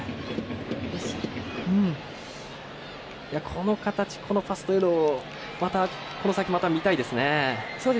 この形このパスというのはこの先、また見たいですね。